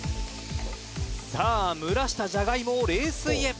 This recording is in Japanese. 「蒸らしたじゃがいもを冷水へ」